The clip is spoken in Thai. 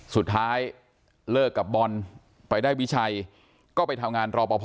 สุดท้ายเลิกกับบอลไปได้วิชัยก็ไปทำงานรอปภ